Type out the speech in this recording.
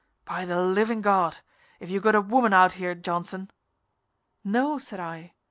By the living God if you got a woman out here, Johnson!" "No," said I.